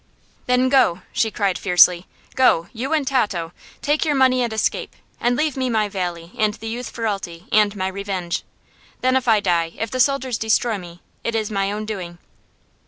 "Then go!" she cried, fiercely. "Go, you and Tato; take your money and escape. And leave me my valley, and the youth Ferralti, and my revenge. Then, if I die, if the soldiers destroy me, it is my own doing."